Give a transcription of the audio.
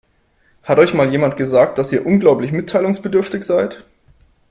Hat euch mal jemand gesagt, dass ihr unglaublich mitteilungsbedürftig seid?